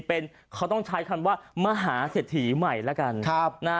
เป็นเขาต้องใช้คำว่ามหาเศรษฐีใหม่แล้วกัน